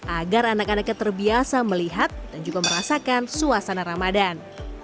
agar anak anaknya terbiasa melihat dan juga merasakan suasana ramadan